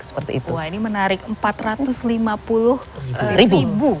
wah ini menarik empat ratus lima puluh ribu